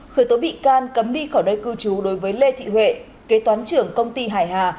khởi tố bị can cấm đi khỏi nơi cư trú đối với lê thị huệ kế toán trưởng công ty hải hà